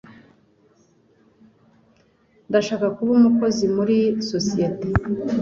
Ndashaka kuba umukozi muri sosiyete.